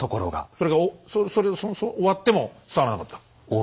それが終わっても伝わらなかった？